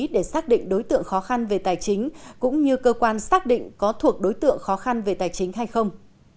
để xác định đối tượng khó khăn về tài chính cũng như cơ quan xác định có thuộc đối tượng khó khăn về tài chính hay không